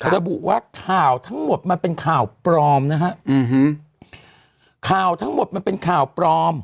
ระบุว่าข่าวทั้งหมดมันเป็นข่าวปลอมนะฮะอืมข่าวทั้งหมดมันเป็นข่าวปลอม